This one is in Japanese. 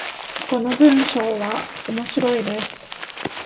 この文章は面白いです。